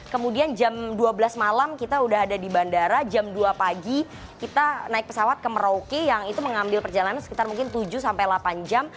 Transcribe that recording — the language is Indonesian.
kemudian jam dua belas malam kita udah ada di bandara jam dua pagi kita naik pesawat ke merauke yang itu mengambil perjalanan sekitar mungkin tujuh sampai delapan jam